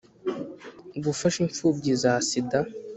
Gufasha imfubyi za sida